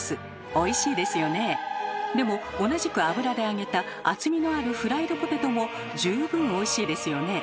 でも同じく油で揚げた厚みのあるフライドポテトも十分おいしいですよね。